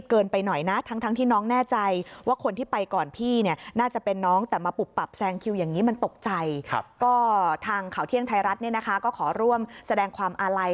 ข่าวเที่ยงไทยรัฐก็ขอร่วมแสดงความอาลัย